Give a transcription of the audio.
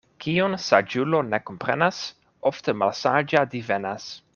Kion saĝulo ne komprenas, ofte malsaĝa divenas.